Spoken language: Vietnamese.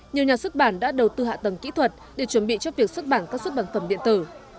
nhiều nhà xuất bản đã đầu tư hạ tầng kỹ thuật để chuẩn bị cho việc xuất bản các xuất bản phẩm điện tử